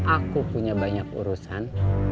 aku punya banyak urusan